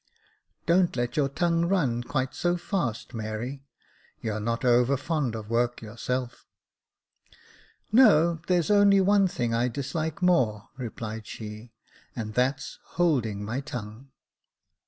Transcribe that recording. " Don't let your tongue run quite so fast, Mary ; you're not over fond of work yourself." Jacob Faithful 193 " No ; there's only one thing I dislike more," replied she, " and that's holding my tongue."